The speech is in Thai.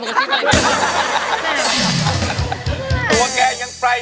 ตัวแกยังไปตั้งแต่เพลงแรก